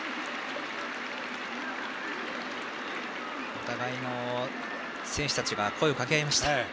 お互いの選手たちが声をかけ合いました。